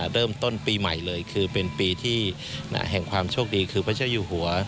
เริ่มต้นปีใหม่เลยคือเป็นปีที่แห่งความโชคดีคือพระเจ้าอยู่หัว